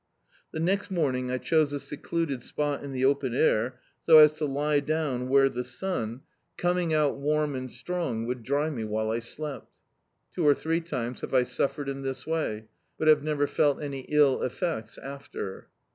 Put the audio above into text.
The next morning I chose a secluded spot in the open air, so as to lie down where the sun, coming D,i.,.db, Google The Autobiography of a Super Tramp out warm and strong, would dry me while I slept. Two or three times have I suffered in this way, but have never felt any ill effects after.